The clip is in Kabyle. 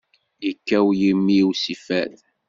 Yekkaw yimi-w si fad.